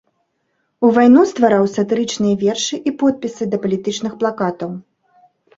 У вайну ствараў сатырычныя вершы і подпісы да палітычных плакатаў.